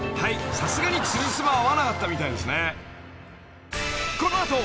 ［さすがにつじつま合わなかったみたいですね］